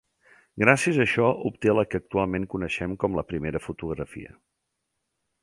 Gràcies a això obté la que actualment coneixem com la primera fotografia.